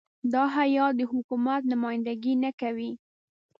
دا هیات د حکومت نمایندګي نه کوي.